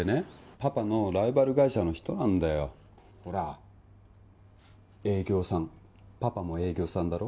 パパのライバル会社の人なんだよほら営業さんパパも営業さんだろ？